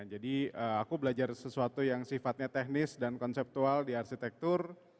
jadi aku belajar sesuatu yang sifatnya teknis dan konseptual di arsitektur